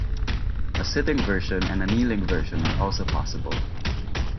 A sitting version and a kneeling version are also possible.